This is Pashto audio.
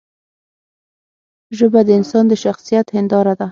ژبه د انسان د شخصیت هنداره ده